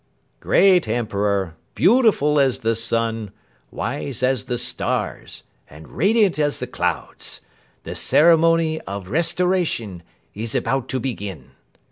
"Great Emperor, beautiful as the sun, wise as the stars, and radiant as the clouds, the Ceremony of Restoration is about to begin!"